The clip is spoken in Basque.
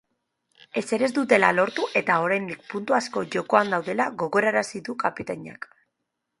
Ezer ez dutela lortu eta oraindik puntu asko jokoan daudela gogorarazi du kapitainak.